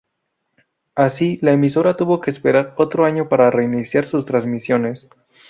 Así, la emisora tuvo que esperar otro año para reiniciar sus transmisiones.